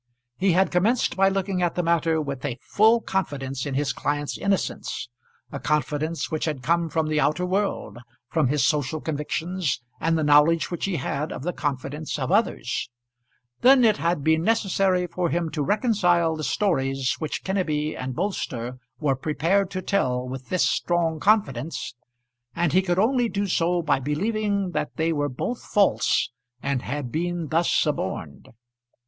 He had commenced by looking at the matter with a full confidence in his client's innocence, a confidence which had come from the outer world, from his social convictions, and the knowledge which he had of the confidence of others. Then it had been necessary for him to reconcile the stories which Kenneby and Bolster were prepared to tell with this strong confidence, and he could only do so by believing that they were both false and had been thus suborned.